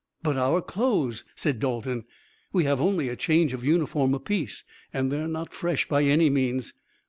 "But our clothes!" said Dalton. "We have only a change of uniform apiece, and they're not fresh by any means."